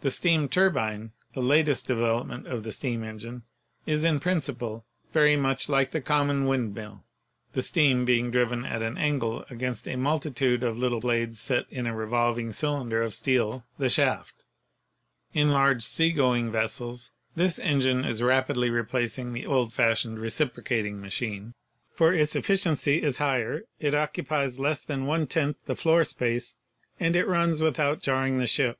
The steam turbine, the latest development of the steam engine, is in principle very much like the common wind mill, the steam being driven at an angle against a multi tude of little blades set into a revolving cylinder of steel — the shaft. In large sea going vessels this engine is rapidly replacing the old fashioned "reciprocating" machine, for its efficiency is higher, it occupies less than one tenth the floor space and it runs without jarring the ship.